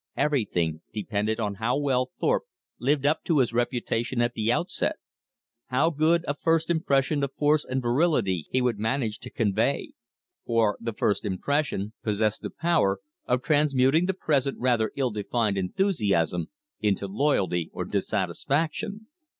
Everything depended on how well Thorpe lived up to his reputation at the outset, how good a first impression of force and virility he would manage to convey, for the first impression possessed the power of transmuting the present rather ill defined enthusiasm into loyalty or dissatisfaction.